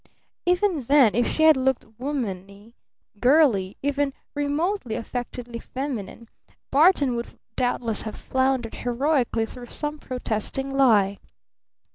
Even then if she had looked woman y, girl y, even remotely, affectedly feminine, Barton would doubtless have floundered heroically through some protesting lie.